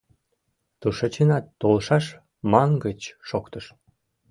Тушечынат толшаш мангыч шоктыш.